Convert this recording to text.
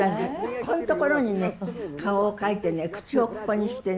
ここんところにね顔を描いてね口をここにしてね。